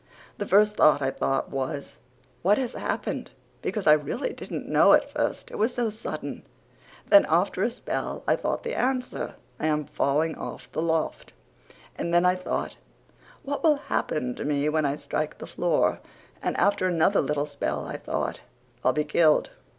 The first thing I thought was, what has happened, because I really didn't know at first, it was so sudden. Then after a spell I thought the answer, I am falling off the loft. And then I thought, what will happen to me when I strike the floor, and after another little spell I thought, I'll be killed.